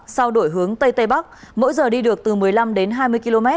sau đổi hướng tây tây bắc mỗi giờ đi được từ một mươi năm đến hai mươi km